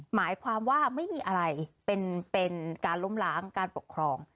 หมายความว่าไม่มีอะไรเป็นการล้มล้างการปกครอง